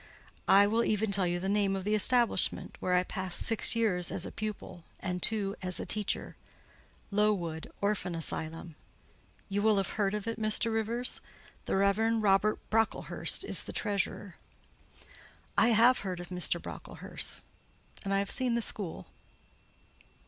I will even tell you the name of the establishment, where I passed six years as a pupil, and two as a teacher—Lowood Orphan Asylum, ——shire: you will have heard of it, Mr. Rivers?—the Rev. Robert Brocklehurst is the treasurer." "I have heard of Mr. Brocklehurst, and I have seen the school."